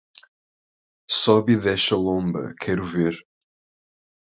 Sobe e desce a lomba, quero ver